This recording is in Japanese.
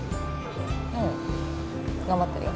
うん頑張ってるよ。